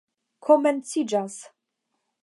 komenciĝas